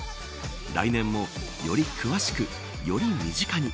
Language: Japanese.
来年も、より詳しくより身近に。